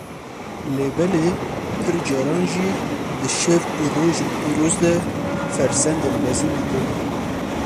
lêbelê pir caran jî di şev û rojên pîroz de fersendên mezin dide me.